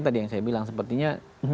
tadi yang saya bilang sepertinya